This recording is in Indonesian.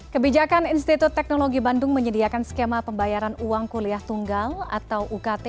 kebijakan institut teknologi bandung menyediakan skema pembayaran uang kuliah tunggal atau ukt